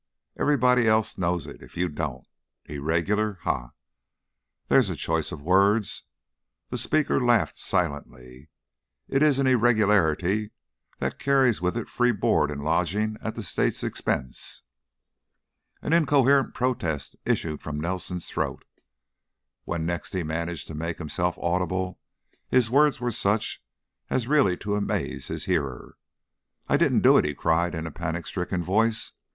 Everybody else knows it, if you don't. 'Irregular'! Ha! There's a choice of words!" The speaker laughed silently. "It is an 'irregularity' that carries with it free board and lodging at the state's expense." An incoherent protest issued from Nelson's throat. When next he managed to make himself audible, his words were such as really to amaze his hearer. "I didn't do it," he cried, in a panic stricken voice.